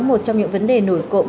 một trong những vấn đề nổi cộng